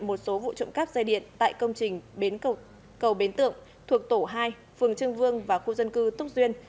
một số vụ trộm cắp dây điện tại công trình cầu bến tượng thuộc tổ hai phường trương vương và khu dân cư túc duyên